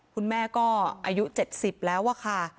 คุณแม่ก็อายุ๗๐แล้วอะค่ะ